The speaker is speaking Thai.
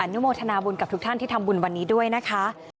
นุโมทนาบุญกับทุกท่านที่ทำบุญวันนี้ด้วยนะคะ